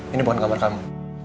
ini bukan kamar kamu